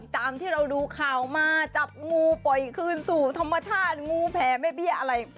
ตามที่เราดูข่าวมาจับงูปล่อยคืนสู่ธรรมชาติงูแผลแม่เบี้ยอะไร